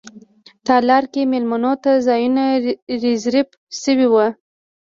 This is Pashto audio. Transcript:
تالار کې میلمنو ته ځایونه ریزرف شوي وو.